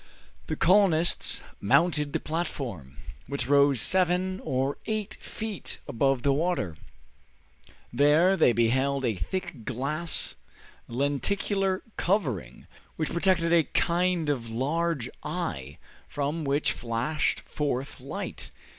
The colonists mounted the platform, which rose seven or eight feet above the water. There they beheld a thick glass lenticular covering, which protected a kind of large eye, from which flashed forth light.